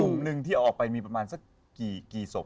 หนึ่งที่ออกไปมีประมาณสักกี่ศพ